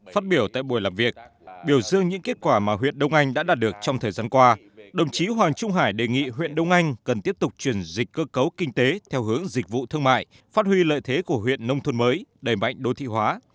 phát biểu tại buổi làm việc biểu dương những kết quả mà huyện đông anh đã đạt được trong thời gian qua đồng chí hoàng trung hải đề nghị huyện đông anh cần tiếp tục chuyển dịch cơ cấu kinh tế theo hướng dịch vụ thương mại phát huy lợi thế của huyện nông thôn mới đầy mạnh đô thị hóa